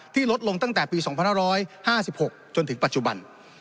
ลดลงตั้งแต่ปี๒๕๕๖จนถึงปัจจุบัน